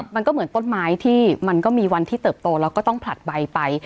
มันก็เหมือนต้นไม้ที่มันก็มีวันที่เติบโตแล้วก็ต้องผลัดใบไป